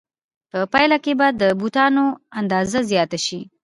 په پایله کې به د بوټانو اندازه زیاته شي